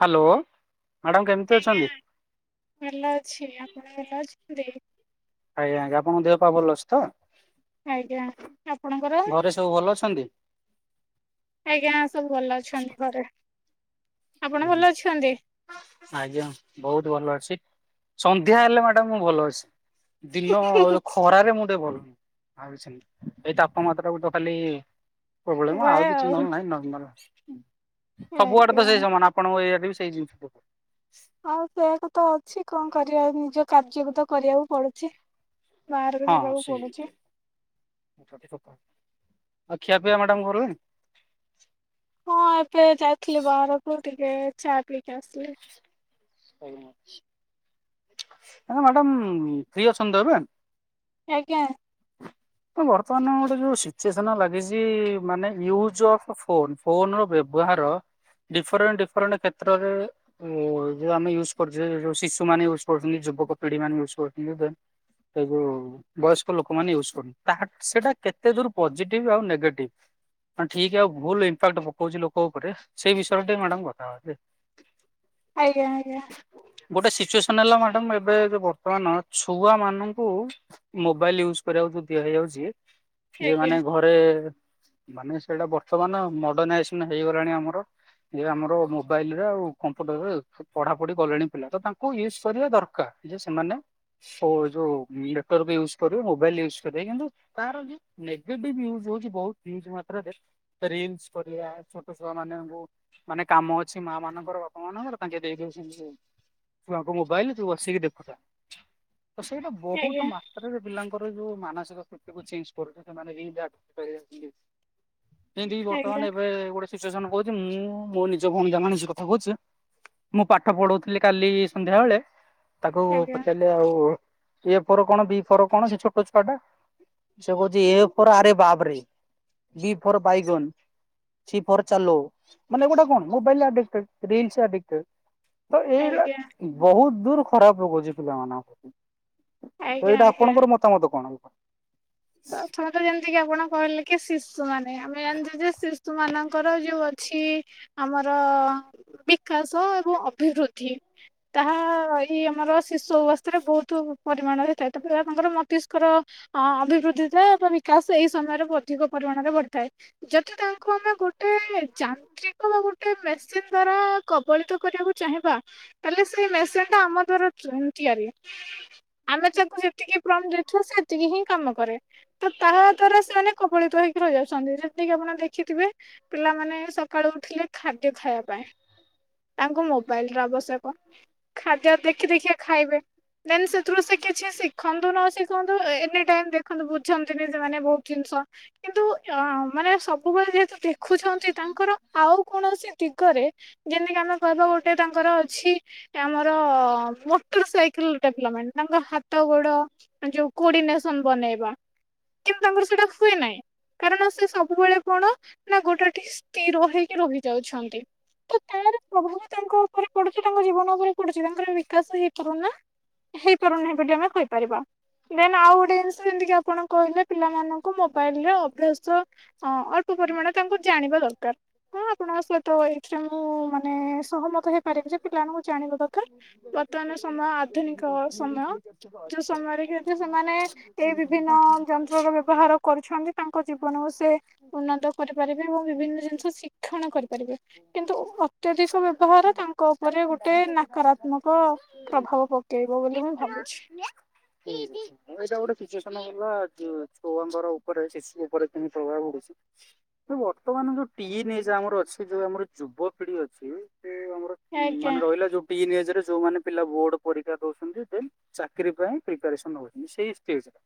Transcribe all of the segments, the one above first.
Hello! Madam କେମିତି ଆଜ୍ଞା ଅଛନ୍ତି? ଭଲ ଅଛି। ଆପଣ ଭଲ ଅଛନ୍ତି? ଆଜ୍ଞା, ଜ୍ଞା, ଆପଣଙ୍କ ଦେହ ପାହା ଭଲ ଅଛି ତ? ଆଜ୍ଞା। ଆପଣଙ୍କର? ଘରେ ସବୁ ଭଲ ଅଛନ୍ତି? ଆଜ୍ଞା, ସବୁ ଭଲ ଅଛନ୍ତି ଘରେ। ଆପଣ ଭଲ ଅଛନ୍ତି? ଆଜ୍ଞା, ବହୁତ ଭଲ ଅଛି। ସନ୍ଧ୍ୟା ହେଲେ ମ୍ୟାଡାମ୍, ମୁଁ ଭଲ ଅଛି। ଦିନ ଖରାରେ ମୁଁ ଟିକେ ଭଲ୍। ଆଉ, ସେମିତି ଏଇ ତାପମାତ୍ରାକୁ ତ ଖାଲି-ଇ ସବୁବେଳେ ମ, ଆଉ କିଛି ନହେଲେ ନାହିଁ ନର୍ମାଲ। ଆଜ୍ଞା। ଆପଣଙ୍କ ଏୟାର ରେବି ସେଇ ଜିନିଷ ସ ଆଉ ସେଇୟାକୁ ତ ଅଛି, କଣ କରିବାଉ! ନିଜ କାର୍ଯ୍ୟକୁ ତ କରିବାକୁ ପଡୁଛି। ବାହାରକୁ ହଁ ଯିବାକୁ ପଡୁଛି। ସେଇଟା। [inaudible] ଆଉ ଖିଆ ପିଆ ମ୍ୟାଡାମ୍ କଲେଣି? ହଁ, ଏବେ ଯାଇଥିଲି ବାହାରକୁ ଟିକେ ଚା' ପିଇକି ଆସିଲି। ଆଜ୍ଞା, ଆଜ୍ଞା ମ୍ୟାଡ଼ାମ୍ ଫ୍ରି ଅଛନ୍ତି ତ ଏବେ? ଆଜ୍ଞା। ହଁ ବର୍ତ୍ତମାନ ଗୋଟେ ଯୋଉ ସିଚୁଏସନ୍ ଲାଗିଛି, ମାନେ ୟୁଜ୍ ଅଫ୍ ଫୋନ୍। ଫୋନ୍ ର ବ୍ୟବହାର, ଡିଫରେଣ୍ଟ ଡିଫରେଣ୍ଟ କ୍ଷେତ୍ରରେ-ଏ ଯଉ ଆମେ ଯୁଜ୍ କରୁଛେ, ଯଉ ଶିଶୁମାନେ ୟୁଜ୍ କରୁଛନ୍ତି, ଯୁବକ ପିଢି ମାନେ ୟୁଜ୍ କରୁଛ ଏବେ। ଏ ଯଉ ବୟସ୍କ ଲୋକମାନେ ୟୁଜ୍ କରୁନି, ତାହା ସେଟା କେତେ ଦୂର୍ ପଜିଟିଭ୍ ଆଉ ନେଗେଟିଭ୍? ଠିକ୍ ଆଉ ଭୁଲ୍ ଇମ୍ପାକ୍ଟ ପକଉଚଛି ଲୋକ ଉପରେ। ସେଇ ବିଷୟରେ ଟେ ମ୍ୟାଡାମ୍ କଥା ହବା। ଯେ ଆଜ୍ଞା, ଆଜ୍ଞା। ଗୋଟେ ସିଚୁଏସନ୍ ହେଲା ମ୍ୟାଡମ୍ ଏବେ ବର୍ତ୍ତମାନ, ଛୁଆ ମାନଙ୍କୁ ମୋବାଇଲ୍ ୟୁଜ୍ କରିବାକୁ ଯଉ, ଦିଆ ହେଇଯାଉଛି। ଆଜ୍ଞା ଯେମାନେ ଘରେ-ଏ ମାନେ ସେଇଟା ବର୍ତ୍ତମାନ ମଡ଼ର୍ଣାଇଏସନ୍ ହେଇଗଲାଣି ଆମର। ଇଏ ଆମର, ମୋବାଇଲର, ଆଉ କମ୍ପୁଟରର ଆଉ। ପଢାପଢି କଲେଣି ପିଲା। ତ ତାଙ୍କୁ ୟୁସ୍ କରିବା ଦରକାର। ଯେ ସେମାନେ ହୋ, ଯୋଉ ନେଟୱାର୍କ ୟୁସ୍ କରିବେ, ମୋବାଇଲ୍ ୟୁସ୍ କରିବେ କିନ୍ତୁ ତାର ଯଉ ନେଗେଟିଭ ୟୁଜ୍ ହଉଛି ବହୁତ। [unintelligible] ମାତ୍ରାରେ ରିଲ୍ସ କରିଆ, ଛୋଟ ଛୋଆ ମାନଙ୍କୁ ମାନେ କାମ ଅଛି, ମାଁ ମାନଙ୍କର, ବାପା ମାନଙ୍କର ତାଙ୍କେ ଦେଇଦିଅଛନ୍ତି ଯେ ଛୁଆଙ୍କୁ ମୋବାଇଲ୍ ତୁ ବସିକି ଦେଖୁଥା। ତ ସେଇଟା ବହୁତ ମା ଆଜ୍ଞା ତ୍ରାରେ ପିଲାଙ୍କର ଯୋଉ ମାନସିକ ସ୍ଥିତିକୁ ଚେଞ୍ଜ କରୁଛି, ସେମାନେ ବି ଯା କରିଯାଉଛନ୍ତି। ଏମିତି ବର୍ତ୍ତମାନ ଏବେ ଗୋଟେ ସିଚୁଏସନ୍ କହୁଛି, ମୁଁ ମୋ ନିଜ ଭଉଣୀ ଯା ମାନସିକ କଥା କହୁଛି ମୁଁ ପାଠ ପଢଉଥିଲି କାଲି ସନ୍ଧ୍ୟା ବେଳେ ତାକୁ ଆଜ୍ଞା ଆଜ୍ଞା ପଚାରଲ ଲେ ଆଉ ଏ ଫର୍ କଣ ବି ଫର୍ କଣ ସେ ଛୋଟ ଛୁଆ ଟା ସେ କହୁଛି ଏ ଫର୍ ଆରେ ବାବରେ, ବି ଫର୍ ବାଇଗନ୍। ସି ଫର୍ ଚାଲୋ ମାନେ ଏ ଗୋଟା କଣ ମୋବାଇଲ୍ ଆଡେକଟେଡ୍, ରିଲସ୍ ଆଡେକ୍ ତେ ତ ଏଇ ହେଲା ଆଜ୍ଞା ବହୁତ ଦୂର୍ ଖରାପ ପକଉଛି ପିଲାମାନଙ୍କ ପ୍ରତି। ତ ଆଜ୍ଞା ଏଇଟା ଆଜ୍ଞା। ଆପଣଙ୍କର ମତାମତ କଣ? [inaudible] ପ୍ରଥମେତ ଯେମିତି କିି ଆପଣ କହିଲେ କି ଶିଶ୍ ଶୁ ମାନେ ଆମେ ଜାଣିଛୁ ଯେ ଶିଶୁ ମାନଙ୍କର ଯୋଉ ଅଛି ଆମର ବିକାଶ ଏବଂ ଅଭିବୃଦ୍ଧି ତାହା ଏଇ ଆମର ଶିଶୁ ଅବସ୍ଥାରେ ବହୁତ ପରିମାଣରେ ଥାଏ। ତାପରେ ଆପଣଙ୍କର ମସ୍ତିଷ୍କର ଅ, ଅଭିବୃଦ୍ଧ ଦିଧା ବା ବିକାଶ ଏଇ ସମୟରେ ଅଧିକ ପରିମାଣରେ ବଢିଥାଏ। ଯଦି ତାଙ୍କୁ ଆମେ ଗୁ ଟେ ଯାନ୍ତ୍ରିକ ବା ଗୋଟେ ମେସିନ୍ ଦ୍ଵାରା କବଳିତ କରିବାକୁ ଚାହିଁବା ତାଲେ ସେ ମେସିନ୍ ଟା ଆମ ଦ୍ବାରା ଉଁ, ତିଆରି। ଆମେ ତାକୁ ଯେତିକି ପ୍ରମ୍ ଦେଇଥିବା ସେତିକି ହିଁ କାମ କରେ। ତ ତାହା ଦ୍ଵାରା ସେମାନେ କବଳିତ ହେଇକି ରହିଯାଉଛନ୍ତି। ଯେତିକି ଆପଣ ଦେଖିଥିବେ ପିଲାମାନେ ସକାଳୁ ଉଠିଲେ ଖାଦ୍ୟ ଖାଇବା ପାଇଁ ତାଙ୍କୁ ମୋବାଇଲ୍ ର ଆବଶ୍ୟକ, ଖାଦ୍ୟ ଦେଖି ଦେଖିଆ ଖାଇବେ। ଦେନ୍ ସେଥିରୁ ସେ କିଛି ଶିଖନ୍ତୁ ନ ଶିଖନ୍ତୁ ଅ, ଏନି ଟାଇମ୍ ଦେ ଖନ୍ତି, ବୁଝନ୍ତିନି ସେମାନେ ବହୁତ ଜିନିଷ, କିନ୍ତୁ ଅଁ, ମାନେ ସବ ବୁବେଳେ ଯେହେତୁ ଦେଖୁଛନ୍ତି ତାଙ୍କର ଆଉ କୌଣସି ଦିଗରେ ଯେମତି କି ଆମେ କହିବା ଗୋଟେ ତାଙ୍କର ଅଛି ଏ ଆମର ମଟର ସାଇକେଲ ଟା ପିଲାମାନ ତାଙ୍କ ହାତ ଗୋଡ ଯୋଉ କୋଡିନେସନ୍ ବନେଇ ବା କିନ୍ତୁ ତାଙ୍କର ସେଇଟା ହୁଏ ନାହିଁ। କାରଣ ସେ ସବୁବେଳେ କଣ ନା ଗୋଟେ ଠି ସ୍ଥିର ହେଇକି ରହି ଯାଉଛନ୍ତି। ତ ତା ମାନେ ପ୍ରଭାବ ତାଙ୍କ ଉପରେ ପଡୁଛି, ତାଙ୍କ ଜୀବନ ଉପରେ ପଡୁଛି, ତାଙ୍କର ବିକାଶ ହେଇପାରୁ ନା। ହେଇପାରୁ ନାହିଁ ବୋଲି ଆମେ କହିପାରିବା। ଦେନ୍ ଆଉ ଗୋଟେ ଜିନିଷ ଷ ଯେମିତିିକି ଆପଣ କହିଲେ ପିଲାମାନଙ୍କୁ ମୋବାଇଲ୍ ରେ ଅଭ୍ୟାସ ସୋ ଅଁ, ଅଳ୍ପ ପରିମାଣ ତାଙ୍କୁ ଜାଣିବା ଦରକାର। ହଁ ଆପଣଙ୍କ ସହିତ ଏଇଥିରେ ମୁଁ ମାନେ ସହମତ ହେଇପାରିବି ଯେ ପିଲାମାନଙ୍କୁ ଜାଣିବା ଦର୍ ସମୟ [inaudible] ଏ ବିଭିନ୍ନ ଯନ୍ତ୍ର ର ବ୍ୟବହାର କରୁଛନ୍ତି ତାଙ୍କ [unintelligible] ମାନଙ୍କୁ ସେ ଉନ୍ନତ କରିପାରିବେ ଏବଂ ବିଭିନ୍ନ ଜିନିଷ ଶିକ୍ଷଣ କରିପାରିବେ। କିନ୍ତୁ ଅତ୍ୟଧିକ ବ୍ୟବହାର ତାଙ୍କ ଉପରେ ଗୋଟେ ନକାରାତ୍ମକ ପ୍ରଭାବ ପକେଇବ ବୋଲି ମୁଁ ଭାବୁଛି। [inaudible] ମୁଁ ଏଇଟା ଗୋଟେ ସିଚୁଏସନ୍ ହେଲା ଯେ ଛୁଆଙ୍କର ଉ ଉପରେ ଶିଶୁ ଉପରେ [unintelligible] ପ୍ରଭାବ ପଡୁଛି ଏ ବର୍ତ୍ତମାନ ଯୋଉ ଟିନି ଏଜ୍ ଆମର ଅଛି, ଯୋଉ ଆମର ଯୁବପିଢି ଅଛି, ସେ ଆମର ଉଁ, ଆଜ୍ଞା ମାନେ ରହିଲା ଯୋଉ ଟିନି ଏଜ୍ ରେ ଯୋଉମାନେ ପିଲା ବୋର୍ଡ ପରୀକ୍ଷା ଦଉଛନ୍ତି ଦେନ୍ ଚାକିରି ପାଇଁ ପ୍ରିପାରେସନ୍ ହଉଛନ୍ତି ସେଇ ଷ୍ଟେଜ୍ ରେ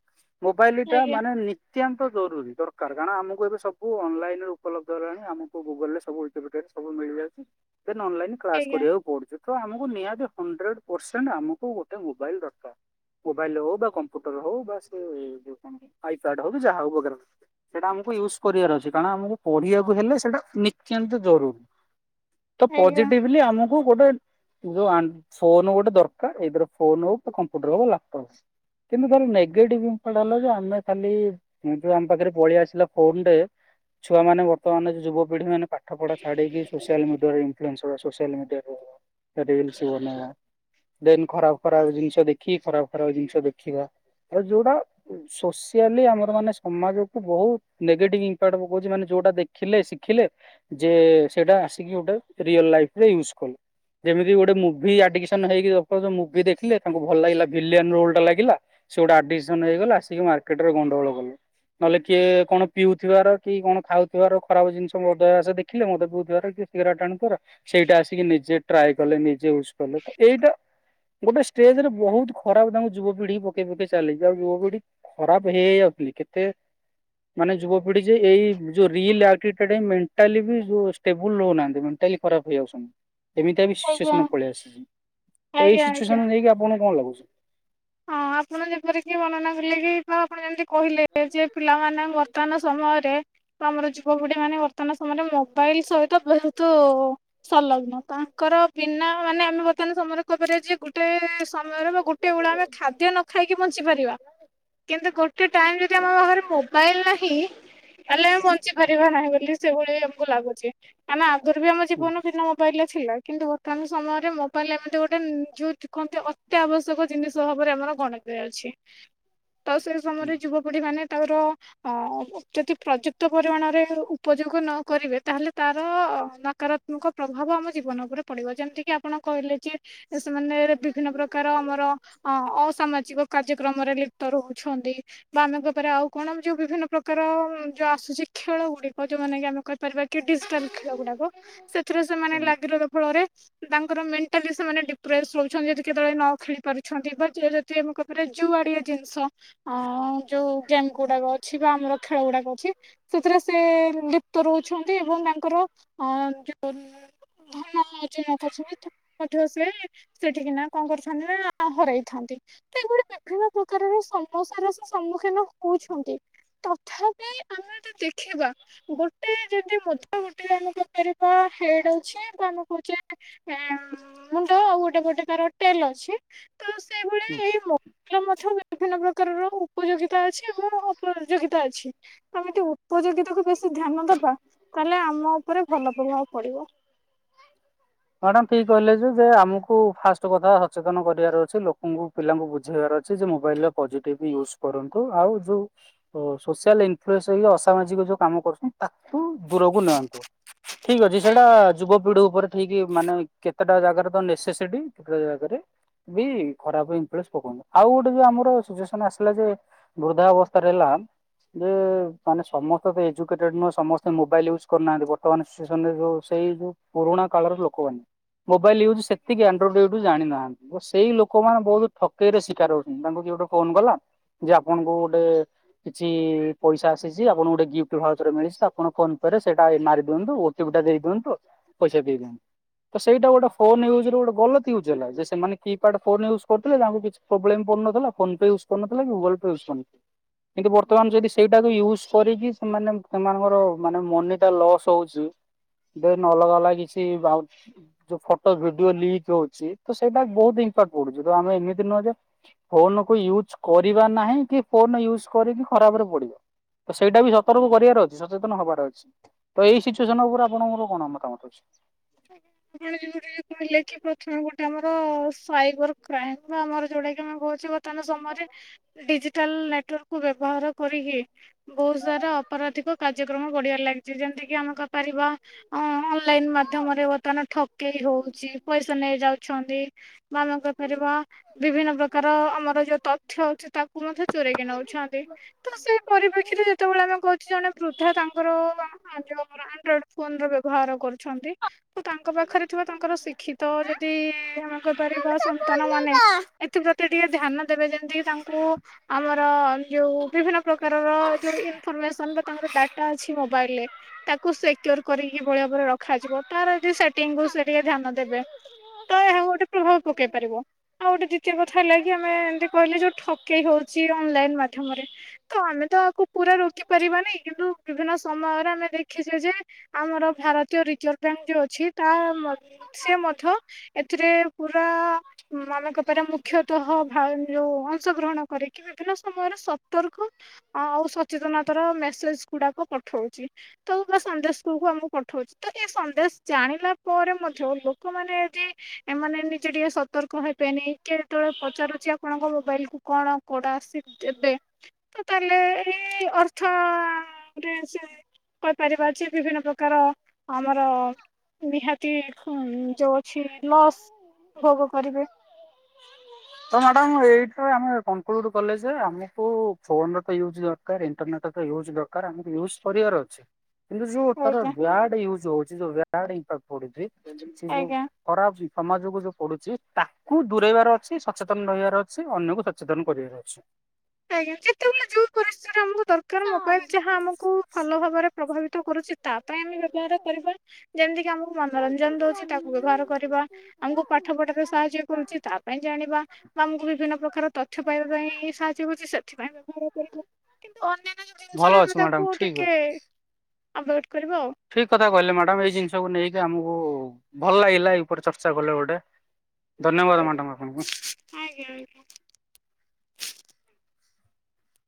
ମୋବାଇଲ୍ ଟା ଆଜ୍ଞା ମାନେ ନି ଅତ୍ୟାନ୍ତ ଜରୁରୀ ଦରକାର କାରଣ ଆମକୁ ଏବେ ସବୁ ଅନଲାଇନରେ ଉପଲବ୍ଧ ହେଲାଣି ଆମକୁ ଗୁଗୁଲ ରେ ସବୁ ଓଲ୍ ତେବେ କରି ସବୁ ମିଳିଯାଉଚି ଦେନ ଅନଲାଇନ୍ କ୍ଲାସ ଆଜ୍ଞା କରିବାକୁ ପୁଡୁଛିତ ଆମକୁ ନିହାତି ହଣ୍ଡ୍ରେଡ ପରସେଣ୍ଟ ଆମକୁ ଗୋଟେ ମୋବାଇଲି ଦରକାର। ମୋବାଇଲିରେ ହୋଉ ବା କମ୍ପ୍ୟୁଟରେ ହୋଉ ବା ସେ ଯୋଉ କୌଣସି ଆଇକାଡେରେ ହୋଉ ଯାହା ହୋଉ ବଗେରା ବଗେରା। ସେଇଟା ଆମକୁ ୟୁଜ୍ କରିବାର ଅଛି କାରଣ ଆମକୁ ପଢିବାକୁ ହେଲେ ସେଇଟା ନିତ୍ୟାନ୍ତ ଜରୁରି। ତ ଆଜ୍ଞା ପଯେଟିଭ୍ଲି ଆମକୁ କୋଉ ଗୋଟେ ଯୋଉ ଆନ ଫୋନ ଗୋଟେ ଦରକାର ଏଇଥରେ ଫୋନ ହୋଉ କି କମ୍ପ୍ୟୁଟର ହୋଉ ଲାପଟପ କିନ୍ତୁ ତାର ନେଗେଟିଭ ଯିନିସଟା ହେଲା ଯେ ଆମେ ଖାଲି ଯୋଉ ଆମ ପାଖରେ ପଳେଇଆ ଆସିଲା ଫୋନ ଟେ ଛୁଆ ମାନେ ବର୍ତ୍ତମାନ ଯୋ ଯୁବପିଢି ମାନେ ପାଠ ପଢା ଛାଡିକି ସୋସିଆଲ ମିଡିଆର ଇନଫ୍ଲେନସ ସୋସିଆଲ୍ ମିଡିଆ ର ରିଲ୍ସ୍ ବନେଇବା। ଦେନ ଖରାପ ଖରାପ ଜିନିଷ ଦେଖିକି ଖରାପ ଖରାପ ଜିନିଷ ଦେଖିବା ଆଉ ଯୋଉଟା ଶୋଷି ଡେଲି ଆମର ମାନେ ସମାଜକୁ ବୋହୁତ ନେଗେଟିଭ ଇନପାକ୍ଟ୍ ପକୋଉଚି ମାନେ ଯୋଉଟା ଦେଖିଲେ ଶିଖିଲେ ଯେ ସେଇଟା ଆସିକି ଗୋଟେ ରିଲ ଲାଇଫିରେ ୟୁଜ କଲେ। ଯେମିତି ଗୋଟେ ମୁଭି ଆଡିସନ ହେଇକି ମୁଭି ଦେଖିଲେ ତାଙ୍କୁ ଭଲ ଲାଗିଲା ଭିଲିୟାନ ରୋଲ ଟା ଲାଗିଲା। ସେଗୁଡା ଆଡିସନ୍ ହେଇଗଲା ଆସିକି ମାର୍କେଟରେ ଗଣ୍ଡ ଗୋଳ କଲେ। ନହେଲେ କିଏ କଣ ପିଉଥିବାର କି କଣ ଖାଉଥିବାର ଖରାପ ଜିନିଷ ମଦ ଅଭ୍ୟାସ ଦେଖିଲେ ମଦ ପିଉଥିବାର କି ଶୀଗ୍ରେଟ୍ ଟାଣୁଥିବାର ସେଇଟା ଆସିକି ନିଜେ ଟ୍ରାଏ କଲେ ନିଜେ ୟୁଜ କଲେ ତ ଏଇଟା ଗୋଟେ ଷ୍ଟେଜ ରେ ବୋହୁତ ଖରାପ ତାଙ୍କୁ ଯୁବପିଢି ପକେଇ ପକେଇ ଚାଲିଚି ଆଉ ଯୁବପିଢି ଖରାପ ହେଇ ହେଇ ଆଉଥିଲି କେତେ ମାନେ ଯୁବପିଢି ଯେ ଏଇ ଯୋଉ ରିଲ୍ ଆଟୁଡେଡ୍ଡମ୍ ମେଣ୍ଟାଲି ବି ଯୋଉ ଷ୍ଟେବୁଲ୍ ହୋଉନାହାନ୍ତି ମେଣ୍ଟାଲି ଖରାପ ହେଇଯାଉଚନ୍ତି। ଏମିତିଆ ବି ଆଜ୍ଞା ସିଚୁଏସନ୍ ପଳେଇ ଆସିଲାଣି ତ ଏଇ ଆଜ୍ଞା ଆଜ୍ଞା। ସିଚୁଏସନ୍ ନେଇକି ଆପଣକୁ କଣ ଲାଗୁଚି। ହଁ ଆପଣ ଯେପରିକି ବର୍ଣ୍ଣନା କଲେ କି ଆପଣ ଜେମିତି କହିଲେ ଯେ ପିଲାମାନେ ବର୍ତ୍ତମାନ ସମୟରେ ତ ଆମର ଯୁବପିଢି ମାନେ ବର୍ତ୍ତମାନ ସମୟରେ ମୋବାଇଲ ସହିତ ବୋହୁତୁ ସଂଲଗ୍ନ ତାଙ୍କର ବିନା ମାନେ ଆମେ ବର୍ତ୍ତମାନ ସମୟରେ କହିପାରିବା ଯେ ଗୋଟେ ସମୟରେ ବା ଗୋଟେ ଓଳା ଆମେ ଖାଦ୍ୟ ନ ଖାଇକି ବଞ୍ଚି ପାରିବା। କିନ୍ତୁ ଗୋଟେ ଟାଇମ୍ ଯଦି ଆମ ପାଖରେ ମୋବାଇଲି ନାହିଁ। ହେଲେ ଆମେ ବଞ୍ଚି ପାରିବା ନାହିଁ ବୋଲି ସେଇଭଳିଆ ଆମକୁ ଲାଗୁଚି ମାନେ ଆଗରୁ ବି ଆମ ହୁଁ ଜୀବନ ବିନା ମୋବାଇଲ୍ ରେ ଥିଲା କିନ୍ତୁ ବର୍ତ୍ତମାନ ସମୟରେ ମୋବାଇଲ୍ ରେ ଏମିତି ଗୋଟେ ଯୋଉ କହନ୍ତି ଅତ୍ୟାଆବଶ୍ୟକ ଜିନିଷ। ତ ଭାବରେ ଆମର ଗଣତିରେ ଅଛି ତ ସେ ହୁଁ ସମୟରେ ଯୁବପିଢି ମାନେ ତାର ହଁ ବ ଯଦି ପ୍ରଯୁପ୍ତ ପରିମାଣରେ ଉପଯୋଗ ନ କରିବେ ତାହେଲେ ତାର ନକାର ନୁକ ପ୍ରଭାବ ଆମ ଜୀବନ ଉପରେ ପଡିବ ଯେମିତିକି ଆପଣ କହିଲେ ଯେ ସେମାନେ ବିଭିନ୍ନ ପ୍ରକାର ଆମର। ଅ ଅସାମାଜିକ କାର୍ଯ୍ୟକ୍ରମରେ ଲିପ୍ତ ରହୁଛନ୍ତି। ବା ଆମେଙ୍କ ଉପରେ ଆଉ କଣ ଯୋଉ ବିଭିନ୍ନ ପ୍ରକାର ଯୋଉ ଆସୁଛି ଖେଳ ଗୁଡିକ ଯୋଉମାନୋନ କି ଆମେ କ କରିବା କି ଡିଜିଟାଲ ଖେଳ ଗୁଡାକ ସେଥିରେ ସେମାନେ ଆଜ୍ଞା। ଲାଗି ରହିବା ଫଳରେ ତାଙ୍କର ମେଣ୍ଟାଲି ସେମାନେ ଡିପ୍ରେସ ରହୁଛନ୍ତି ଯଦି କେତେବେଳେ ନ ଖେଳି ପାରୁ ଛନ୍ତି ଅ ବା ଜୋ ଯାଟି ଆମେ କହି ପାରିବ ଜୋଆଡିଆ ଜିନିଷ ଅ ଯୋଉ ଗେମ୍ ଗୁଡାକ ଅଛି ବା ଆମର ଖେଳ ଗୁଡାକ ଅଛି। ସେଥିରେ ସେ ଲିପ୍ତ ରହୁଛନ୍ତି ଏବଂ ତାଙ୍କର ଅ ଯୋଉ ଭଲ ହେଲା ଯାଆକରୁଚନ୍ତି ମଧ ସେ ସେଠିକି ନା କଣ କରୁଚିନ୍ତି ନା ହରାଇଥାନ୍ତି ସେଗୁଡି କ ବିଭିନ୍ନ ପ୍ରକାରର ସମସ୍ୟାର ସେ ସମ୍ମୁଖୀନ ହୋଉଚନ୍ତି। ତଥାପି ଆମେ ତ ଦେଖିବା ଗୋଟେ ଯଦି ମଦୁଆ ଗୋଟେ ଏମିତିଆ [unintelligible] ହେଇଡାଉଛି ବା ଆମଁ କହୁଛେ ମୁଣ୍ଡ ଆଉ ଗୋଟେ ପଟେ ତାର ଟେଲ ଅଛି ତ ହୁଁ ସେଇଭଳିଆ ଏଇ ମଲ ବିଭିନ୍ନ ପ୍ରକାରର ଉପଯୋଗିତା ଅଛି ଏବଂ ଉପଯୋଗିତା ଅଛି ଆମତି ଉପଯୋଗିତାକୁ ବେସି ଧ୍ୟାନ ଦବା ତାହେଲେ ଆମ ଉପରେ ଭଲ ପ୍ରଭାବ ପଡିବ ମ୍ୟାଡାମ ଠିକ୍ କହିଲେ ଯେ ଯେ ଆମକୁ ଫାଷ୍ଟ କଥା ସଚେତନ କରିବାର ଅଛି ଲୋକଙ୍କୁ ପିଲାଙ୍କୁ ବୁଝେଇବାର ଅଛି ଯେ ମୋବାଇଲ ପଜେଟିଭ୍ ୟୁଜକରନ୍ତୁ ଆଉ ଯୋଉ ତ ସୋସିଆଲ ଇନଫ୍ଲଏନ୍ସ ହେଇ ଅସାମାଜିକ ଯୋଉ କାମ କରୁଛନ୍ତି ତାଠୁ ଦୂରକୁ ନିଅନ୍ତୁ ଠିକ୍ ଅଛି ସେଇଟା ଯୁବପିଢି ଉପରେ ଠିକ ମାନେ କେତେଟା ଜାଗାରେ ତ ନେସେସିଟି କେତେଟା ଜାଗାରେ ବି ଖରାପ ଇମ୍ପେରସ ପକଉନାହିଁ ଆଉ ଗୋଟେ ଯ ଆମର ସୁଜସନ ଆସିଲା ଯେ ବୃଦ୍ଧା ଅବସ୍ଥାରେ ହେଲା ଯେ ମାନେ ସମ ତ ଏଜୁକେଟେଡ୍‌ ନୁହଁ ସମସ୍ତେ ମୋବାଇଲି ୟୁଜକରୁନାହାନ୍ତି ବର୍ତମାନ ସେ ସନ୍ରେ ଯଉ ସେଇ ଯୋଉ ପୁରୁଣା କାଳର ଲୋକମାନେ ମୋବାଇଲ ୟୁଜ୍ ସେତିକି ଆଣ୍ଡଏଡରୁ ଜାଣିନାହାନ୍ତି ସେଇ ଲୋକ ମାନେ ବହୁତ ଠକେଇରେ ଶିକାର ହଉଛନ୍ତି ତାଙ୍କୁ କିଏ ଗୋଟେ ଫୋନ୍ କଲା ଯେ ଆପଣଙ୍କୁ ଗୋଟେ କିଛି ପଇସା ଆସିଛି ଆପଣଙ୍କୁ ଗୋଟେ ଗିଫ୍ଟ ଭାରତରେ ମିଳିସି ଆପଣ ଫୋନ ପେଏରେ ସେଇଟା ଏ ମାରି ଦିଅନ୍ତୁ ଓଟି ପି ଟା ଦେଇଦିଅନ୍ତୁ ପଇସା ଦେଇ ଦିଅନ୍ତୁ ତ ସେଇଟା ଗୋଟେ ଫୋନ୍ ୟୁଜ ରୁ ଗୋଟେ ଗଲତ ୟୁଜ୍ଲା ଯେ ସେମାନେ କିପଡ ଫୋନ୍ ୟୁଜକରୁଥିଲେ ତାଙ୍କୁ କିଛି ପ୍ରବ୍ଲେମ୍ ପୁନଥିଲା ଫୋନ ଫେଏ ୟୁଜ୍ କରିନଥିଲା କି ଗୁଗଲ ପେୟଜ୍ କରିନଥିଲେ କିନ୍ତୁ ବର୍ତ୍ତମାନ ଯଦି ସେଇଟାକୁ ୟୁଜ୍ କରିକି ସେମାନେ ସେମାନଙ୍କର ମାନେ ମନି ଟା ଲସ୍ ହଉଛି ଦେ ନେ ଅଲଗା ଅଲା କିଛି ବାଉଛି ଯୋଉ ଫଟୋ ଭିଡିଓ ଲିକ୍ ହଉଛି ତ ସେଇଟା ବହୁତ ଇମ୍ପାକ୍ଟ ପଡୁଛି ତ ଆମେ ଏମିତି ନୁହେଁ ଯେ ଫୋନ କୁ ୟୁଜ କରିବା ନାହିଁ କି ଫୋନ ୟୁଜ କରିକି ଖରାପ ରେ ପଡିବ ତ ସେଇଟା ବି ସ ତରୁ କରିବାର ଅଛି ସଚେତନ ହବାର ଅଛି ତ ଏଇ ସିଚୁଏସନ ଉପରେ ଆପଣଙ୍କର କଣ ମତାମତ ଅଛି [unintelligible] କହିଲେ କି ପ୍ରଥମେ ଗୋଟେ ଆମର ସାଇବର କ୍ରାଇମ ବା ଆମର ଯୋଉଟା କି ଆମେ କହୁଛେ ବର୍ତ୍ତମାନ୍ ସମୟରେ ଡିଜିଟାଲ ନେଟୱାର୍କ କୁ ବ୍ୟବହାର କରିିକି ବହୁତ ସାରା ଅପରାଧିକ କାର୍ଯ୍ୟକ୍ରମ ବଢିବାରେ ଲାଗିଛି ଯେମିତି କିି ଆମେ କହିପାରିବା ହଁ ଅନ୍ଲାଇନ୍ ମା ଧାମରେ ବର୍ତ୍ତମାନ ଠକେଇ ହଉଛି ପଇସା ନେଇ ଯାଉଛନ୍ତି ବା ଆମେ କହିପାରିବା ବିଭିନ୍ନ ପ୍ରକାର ଆମର ଯୋଉ ତଥ୍ୟ ଅଛି ତାକୁ ମଧ୍ୟ ଚୋରେଇକି ନଉଛନ୍ତି ତ ସେ ପରିପ୍ରେକ୍ଷୀରେ ଯେତେବେଳେ ଆମେ କହୁଛେ ଜଣେ ବୃଦ୍ଧା ତାଙ୍କର ହଁ ଯୋଉ ଆମର ଆଣ୍ଡ୍ରଏଡ ଫୋନ ର ବ୍ୟବହାର କରୁଛନ୍ତି ତ ତାଙ୍କ ପାଖରେ ଥିବା ତାଙ୍କର ଶିକ୍ଷିତ ତ ଯଦି ଆମେ କହିପାରିବ ସନ୍ତାନ ମାନେ ଏଥିପ୍ରତି ଟିକେ ଧ୍ୟାନ ଦେବେ ଯେମିତିକି ତାଙ୍କୁ ଆମର ଯୋଉ ବିଭିନ୍ନ ପ୍ରକାରର ଯୋଉ ଇନଫରମେସନ ବା ତାଙ୍କର ଡାଟା ଅଛି ମୋବାଇଲ ରେ ତାକୁ ସେକ୍ୟୋର କରିକିବେଳେ ବେଳେ ରଖାଯିବ ତାର ଏଠି ସେଟିଙ୍ଗ କୁ ସେ ଟିକେ ଧ୍ୟାନ ଦେବେ ତ ଏହାକୁ ଗୋଟେ ପ୍ରଭାବ ପକେଇ ପାରିବ ଆଉ ଗୋଟେ ଟିଏ କଥା ହେଲା କି ଆମେ ଏମିତି କହିଲେ ଯୋଉ ଠକେଇ ହଉଛି ଅନଲାଇନ ମାଧ୍ୟମରେ ତ ଆମେ ତ ଆକୁ ପୁରା ରୋକି ପାରିବାନାଇଁ କିନ୍ତୁ ବିଭିନ୍ନ ସମୟରେ ଆମେ ଦେଖିଛେ ଯେ ଆମର ଭାରତୀୟ ରିଜର୍ଭ ବ୍ୟାଙ୍କ ଯୋଉ ଅଛି ତା ମ ସେ ମଧ୍ୟ ଏଥିରେ ପୁରା ଆମେ କହିପାରେ ମୁଖ୍ୟତଃ ଭା ଯୋଉ ଅଂଶଗ୍ରହଣ କରି କି ବିଭିନ୍ନ ସମୟରେ ସତର୍କ ଆଉ ସଚେତନତା ର ମେସେଜ ଗୁଡାକ ପଠଉଛି। ତ ବା ସନ୍ଦେଶକୁକୁ ଆମକୁ ପଠଉଛି ତ ଏ ସନ୍ଦେ ବେଶ୍ ଜାଣିଲା ପରେ ମଧ୍ୟ, ଲୋକମାନେ ଯଦି ଏମାନେ ନିଜେ ଟିକେ ସତର୍କ ହେବେନି କିଏ ଯେତେବେଳେ ପଚାରୁଛି ଆପଣଙ୍କ ମୋବାଇଲ୍ କୁ କଣ କୋଉଟା ଆସିଷ୍ଟ ଦେବେ ତ ତାହେଲେ ଏଇ ଅର୍ଥ ରେ ସେ କହିପାରିବା, ଅଛି ବିଭିନ୍ନ ପ୍ରକାର ଆମର ନିହାତି ଯୋଉ ଅଛି ଲସ୍ ଭୋଗ କରିବେ। ତ ମ୍ୟାଡମ୍ ଏଇଟା ଆମେ କନ୍କ୍ୟୁଜ୍ କଲେ ଯେ ଆମକୁ ଫୋନ୍ ର ତ ୟୁଜ୍ ଦରକା ତା ଇଣ୍ଟରନେଟ୍ ରେ ୟୁଜ୍ ଦରକାର୍ ଆମ କୁ ୟୁଜ୍ କରିବାର ଅଛି। କିନ୍ତୁ ଯୋଉ ତାର ଆଜ୍ଞା ବ୍ୟାଡ୍ ଇଉଜ୍ ହୋଉଛି ଯୋଉ ବ୍ୟାଡ୍ ଇମ୍ଫାକ୍ଟ ପଡୁଛି ସେ ଯୋଉ ଆଜ୍ଞା ଖରାପ୍ ସମାଜକୁ ଯୋଉ ପଡୁଛି। ତାକୁ ଦୂରେଇବାର ଅଛି। ସଚେତନ ରହିବାର ଅଛି। ଅନ୍ୟକୁ ସଚେତନ କରିବାର ଅଛି। ଆଜ୍ଞା। ଯେତେବେଳେ ଯୋଉ ପରିସ୍ଥିତିରେ ଆମକୁ ଦରକାର, ମୋବାଇଲ୍ ଯାହା ଆମକୁ ଭଲ ଭାବରେ ପ୍ରଭାବିତ କରୁଛି, ତା ପାଇଁ ଆମେ ବ୍ୟବହାର କରିବା, ଯେମିତି କିି ଆମକୁ ମନୋରଞ୍ଜନ ଦୋଉଛି ତାକୁ ବ୍ୟବହାର କରିବା ଆମକୁ ପାଠ ପଢାରେ ସାହାଯ୍ୟ କରୁଛି ତା ପାଇଁ ଜାଣିବା। ବା ଆମକୁ ବିଭିନ୍ନ ପ୍ରକାର ତଥ୍ୟ ପାଇବା ପାଇଁ ସାହାଯ୍ୟ ଏମିତି ହୋଉଛି, ସେଥିପାଇଁ ବ୍ୟବହାର କରିବା, କିନ୍ତୁ ଅନ୍ୟାନ୍ୟ ଯୋଉ ଭଲ ଜିନିଷରେ ଆମେ ଅଛି ମ୍ୟାଡାମ ତାକୁ ଠିକ ଅଛି। ଟିକେ ଆଭଏଡ୍ କରିବ ଆଉ। ଠିକ୍ କଥା କହିଲେ ମ୍ୟାଡମ୍ ଏଇ ଜିନିଷକୁ ନେଇକି ଆମକୁ ଭଲ ଲାଗିଲା ଏଇ ଉପରେ ଚର୍ଚ୍ଚା କଲେ ଗୋଟେ। ଧନ୍ୟବାଦ ମ୍ୟାଡମ୍ ଆପଣଙ୍କୁ। ଆଜ୍ଞ ଆଜ୍ଞା।